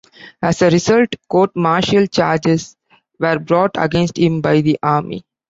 As a result, court-martial charges were brought against him by the Army.